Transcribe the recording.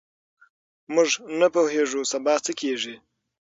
موږ نه پوهېږو سبا څه کیږي.